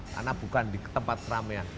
karena bukan di tempat ramean